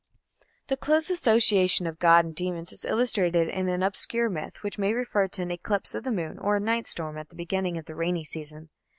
_ The close association of gods and demons is illustrated in an obscure myth which may refer to an eclipse of the moon or a night storm at the beginning of the rainy season.